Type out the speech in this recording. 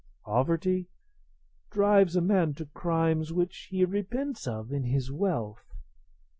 Poverty drives a man to crimes which he repents of in his wealth.